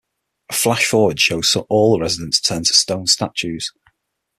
A flash-forward shows all the residents turned to stone statues.